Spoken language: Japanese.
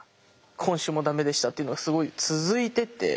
今週も駄目でしたっていうのをすごい続いてて。